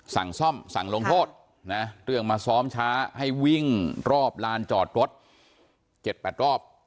สั่งซ่อมสั่งลงโทษนะเรื่องมาซ้อมช้าให้วิ่งรอบลานจอดรถ๗๘รอบ